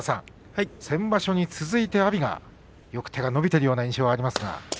先場所に続いて阿炎がよく手が伸びている印象がありますが。